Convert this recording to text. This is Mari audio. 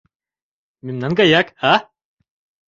Мемнан гаяк, а...